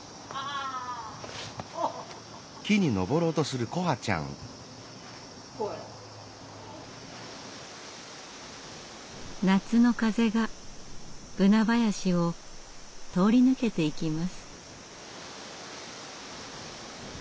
うん。夏の風がブナ林を通り抜けていきます。